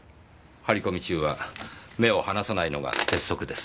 張り込み中は目を離さないのが鉄則です。